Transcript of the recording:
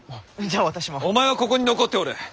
お前はここに残っておれ。